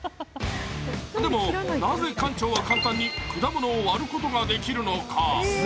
でも、なぜ、館長は簡単に果物を割ることができるのか？